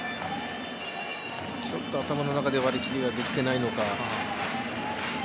ちょっと頭の中で割り切りはできていないのか。